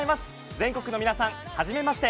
全国の皆さん、はじめまして。